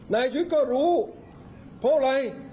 นายชูวิทร์ก็รู้เพราะอะไร